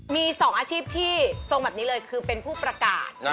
มี๒อาชีพที่ทรงแบบนี้เลยคือเป็นผู้ประกาศ